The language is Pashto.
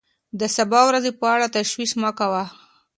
د سبا ورځې په اړه تشویش مه کوه.